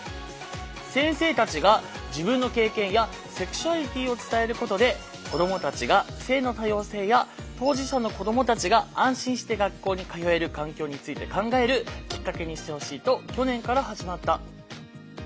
先生たちが自分の経験やセクシュアリティーを伝えることで子どもたちが性の多様性や当事者の子どもたちが安心して学校に通える環境について考えるきっかけにしてほしいと去年から始まった。